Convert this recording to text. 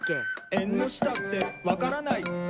「えんのしたってわからないえん」